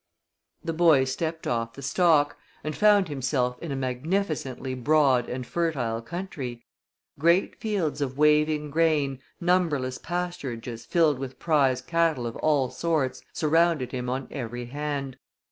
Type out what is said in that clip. The boy stepped off the stalk, and found himself in a magnificently broad and fertile country. Great fields of waving grain, numberless pasturages filled with prize cattle of all sorts, surrounded him on every hand.